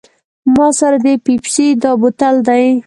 ما سره د پیپسي دا بوتل دی.